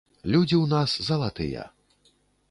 Людзі ў нас залатыя.